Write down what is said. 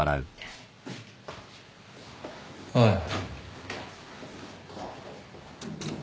おい。